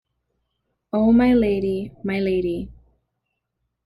Oh, my Lady, my Lady.